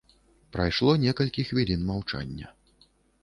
Прайшло некалькі хвілін маўчання.